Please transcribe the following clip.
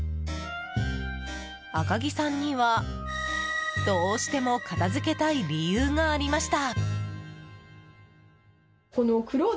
赤木さんには、どうしても片付けたい理由がありました。